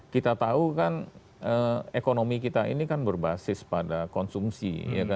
kita tahu kan ekonomi kita ini kan berbasis pada konsumsi